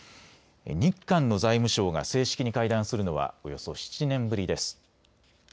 日韓の財務相が正式に会談するのはおよそ７年ぶりです。